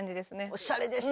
おしゃれでしたね。